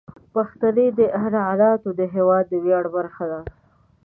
پښتني عنعنات د هیواد د ویاړ برخه دي.